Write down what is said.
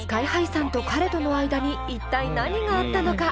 ＳＫＹ−ＨＩさんと彼との間に一体何があったのか！？